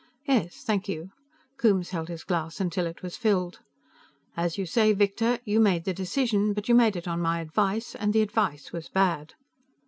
"Yes, thank you." Coombes held his glass until it was filled. "As you say, Victor, you made the decision, but you made it on my advice, and the advice was bad."